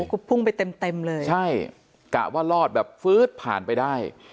ก็พุ่งไปเต็มเต็มเลยใช่กะว่ารอดแบบฟื๊ดผ่านไปได้